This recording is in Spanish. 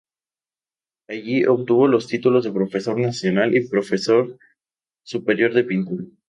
Allí obtuvo los títulos de Profesor Nacional y Profesor Superior de Pintura.